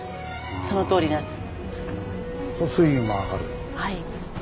そのとおりなんです。